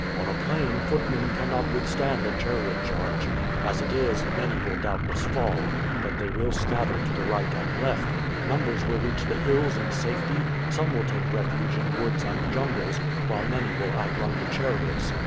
"On a plain footmen cannot withstand a chariot charge. As it is, many will doubtless fall; but they will scatter to the right and left, numbers will reach the hills in safety, some will take refuge in woods and jungles, while many will outrun the chariots.